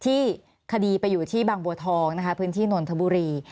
ที่คดีไปอยู่ที่บางบัวทองนะคะพื้นที่นนทบุรี